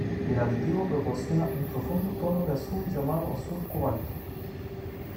El aditivo proporciona un profundo tono de azul llamado azul cobalto.